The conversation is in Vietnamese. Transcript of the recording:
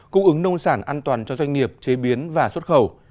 cung ứng nông sản an toàn cho doanh nghiệp chế biến và xuất khẩu